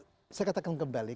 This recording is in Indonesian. jadi saya katakan kembali